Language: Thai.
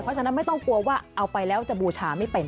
เพราะฉะนั้นไม่ต้องกลัวว่าเอาไปแล้วจะบูชาไม่เป็น